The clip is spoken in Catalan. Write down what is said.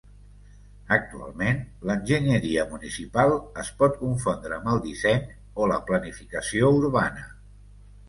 Actualment, l'enginyeria municipal es pot confondre amb el disseny o la planificació urbana.